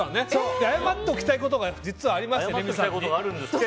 謝っておきたいことが実はありまして。